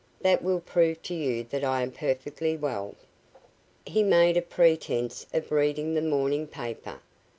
That will prove to you that I am perfectly well." He made a pretence of reading the morning paper.